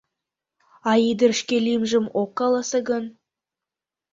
— А ӱдыр шке лӱмжым ок каласе гын?